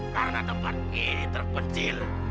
karena tempat ini terpencil